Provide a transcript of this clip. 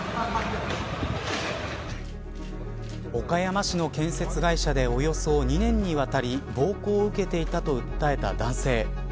岡山市の建設会社でおよそ２年にわたり暴行を受けていたと訴えた男性。